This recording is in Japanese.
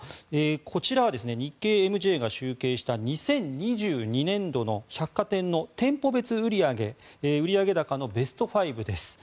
こちらは日経ＭＪが集計した２０２２年度の百貨店の店舗別売上売上高のベスト５です。